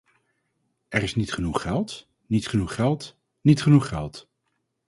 Er is niet genoeg geld, niet genoeg geld, niet genoeg geld.